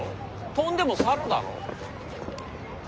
飛んでも猿だろ？